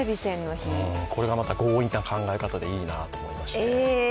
これがまた強引な考え方でいいなと思いまして。